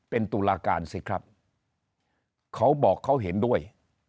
เป็นตุลาการสิครับเขาบอกเขาเห็นด้วย